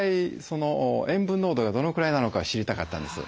塩分濃度がどのくらいなのかを知りたかったんです。